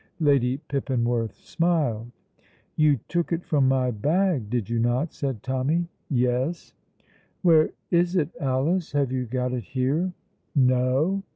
Lady Pippinworth smiled. "You took it from my bag, did you not?" said Tommy. "Yes." "Where is it, Alice? Have you got it here?" "No."